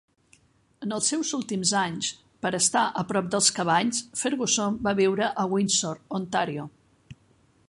En els seus últims anys, per a estar a prop dels cavalls, Ferguson va viure a Windsor, Ontario.